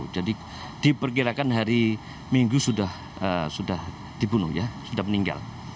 jadi diperkirakan hari minggu sudah dibunuh sudah meninggal